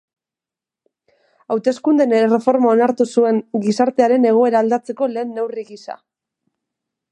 Hauteskundeen erreforma onartu zuen gizartearen egoera aldatzeko lehen neurri gisa.